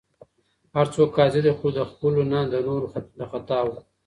هر څوک قاضي دی، خو د خپلو نه، د نورو د خطاوو.